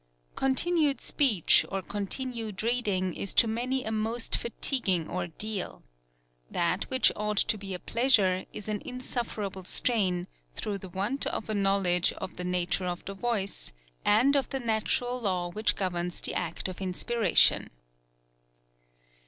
Continued speech or continued reading is to many a most fatiguing ordeal. That which ought to be a pleasure is an insufferable strain, through the want of a knowledge of the nature of the voice, and of the natural law which governs the act of inspiration.